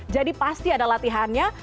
jadi pasti ada latihannya